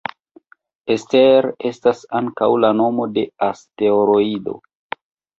Ester estas ankaŭ la nomo de asteroido.